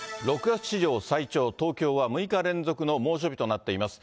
６月史上最長、東京は６日連続の猛暑日となっています。